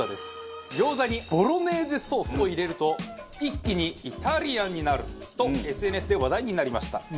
餃子にボロネーゼソースを入れると一気にイタリアンになるとＳＮＳで話題になりました。